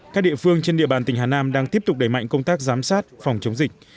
các địa phương trên địa bàn tỉnh hà nam đang tiếp tục đẩy mạnh công tác giám sát phòng chống dịch